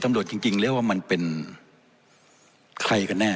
ตำโดดจริงบ้างมันเป็นใครกันแน่